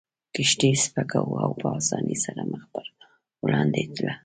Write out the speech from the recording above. کښتۍ سپکه وه او په اسانۍ سره مخ پر وړاندې تله.